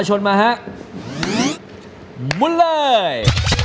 หมุนเลย